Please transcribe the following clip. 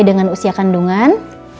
dengan usia kandungan